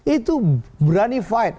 itu berani fight